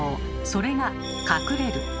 それが「隠れる」。